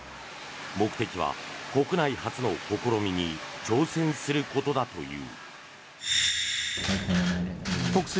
目的は国内初の試みに挑戦することだという。